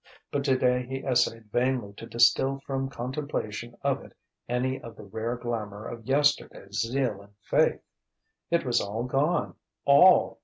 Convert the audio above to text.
But today he essayed vainly to distil from contemplation of it any of the rare glamour of yesterday's zeal and faith. It was all gone, all!